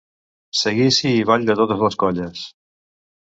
Seguici i ball de totes les colles.